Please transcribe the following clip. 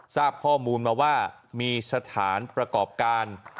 ทราบข้อมูลมาว่ามีสถานประกอบการ